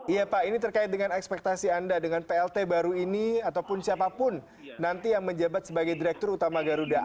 iya pak ini terkait dengan ekspektasi anda dengan plt baru ini ataupun siapapun nanti yang menjabat sebagai direktur utama garuda